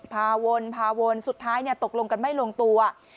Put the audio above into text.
พาวนสุดท้ายเนี่ยตกลงกันไม่ลงตัว